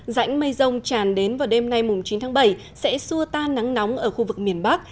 rãnh mây rông tràn đến vào đêm nay chín tháng bảy sẽ xua tan nắng nóng ở khu vực miền bắc